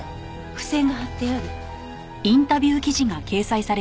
付箋が貼ってある。